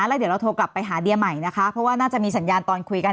แล้วเดี๋ยวเราโทรกลับไปหาเดียใหม่นะคะเพราะว่าน่าจะมีสัญญาณตอนคุยกัน